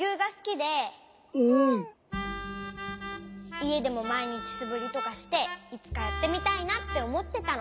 いえでもまいにちすぶりとかしていつかやってみたいなっておもってたの。